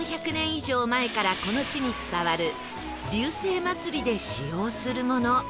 以上前からこの地に伝わる龍勢祭りで使用するもの